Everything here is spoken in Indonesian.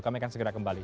kami akan segera kembali